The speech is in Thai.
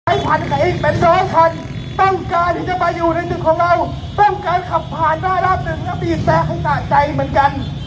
แขนข่อนขายเป็นน้องทันต้องการที่จะมาอยู่ในถึงของเราต้องการขับผ่านหน้าราบหนึ่งเป็นเจ้าของค่าใจเหมือนกัน